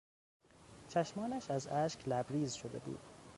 چشمانش از اشک لبریز شده بود.